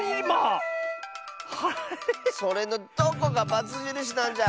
それのどこがバツじるしなんじゃ！